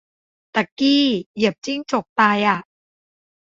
ตะกี้เหยียบจิ้งจกตายอ่ะ